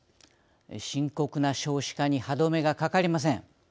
深刻な少子化に歯止めがかかりません。